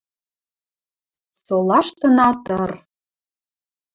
Солаштына тыр.